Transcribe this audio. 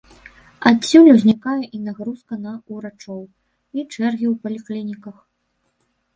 Адсюль узнікае і нагрузка на ўрачоў, і чэргі ў паліклініках.